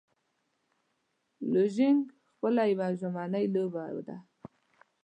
لوژینګ خپله یوه ژمنی لوبه ده.